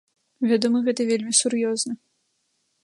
Вядома гэта вельмі сур'ёзна.